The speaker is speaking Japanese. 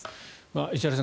石原さん